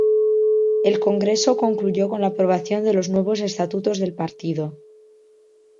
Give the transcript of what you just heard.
El Congreso concluyó con la aprobación de los nuevos estatutos del partido.